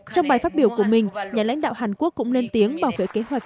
trong bài phát biểu của mình nhà lãnh đạo hàn quốc cũng lên tiếng bảo vệ kế hoạch